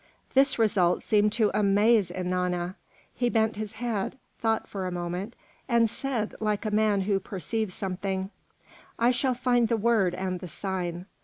This result seemed to amaze Ennana. He bent his head, thought for a moment, and said, like a man who perceives something: "I shall find the word and the sign.